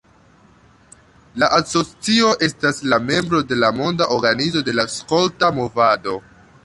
La asocio estas la membro de Monda Organizo de la Skolta Movado.